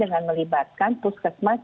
dengan melibatkan puskesmas